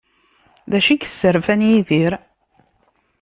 D acu i yesserfan Yidir?